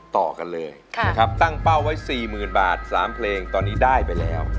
ต่อกันเลยนะครับตั้งเป้าไว้๔๐๐๐บาท๓เพลงตอนนี้ได้ไปแล้ว